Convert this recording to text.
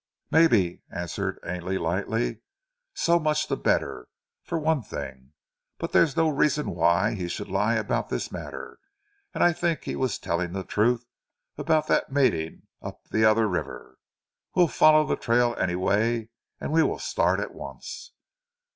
"Maybe," answered Ainley lightly. "So much the better for one thing! But there's no reason why he should lie about this matter, and I think he was telling the truth about that meeting up the other river. We'll follow the trail anyway; and we will start at once.